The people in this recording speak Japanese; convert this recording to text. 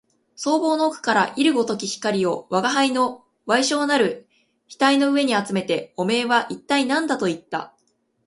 双眸の奥から射るごとき光を吾輩の矮小なる額の上にあつめて、おめえは一体何だと言った